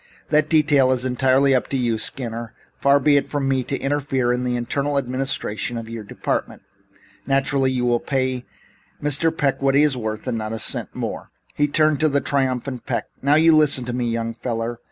"That detail is entirely up to you, Skinner. Far be it from me to interfere in the internal administration of your department. Naturally you will pay Mr. Peck what he is worth and not a cent more." He turned to the triumphant Peck. "Now, you listen to me, young feller.